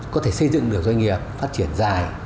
có thể xây dựng được doanh nghiệp phát triển dài